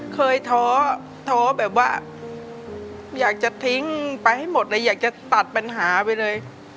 เคยท้อท้อแบบว่าอยากจะทิ้งไปให้หมดเลย